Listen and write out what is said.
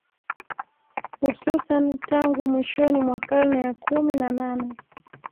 Hususani tangu mwishoni mwa karne ya kumi na nane